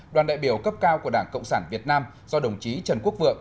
đoàn đại biểu cấp cao của đảng cộng sản việt nam do đồng chí trần quốc vượng